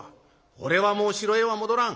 俺はもう城へは戻らん。